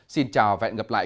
xin chào và hẹn gặp lại